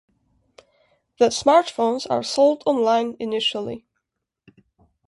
The smartphones are sold online initially.